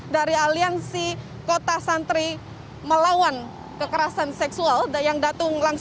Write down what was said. dari aliansi kota santri melawan kekerasan seksual